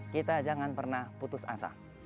kita jangan pernah putus asa